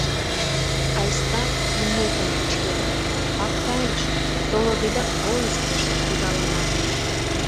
Айста, имнетым кычкенат, Пактайыш, Солобеляк волостьыш, кудалына...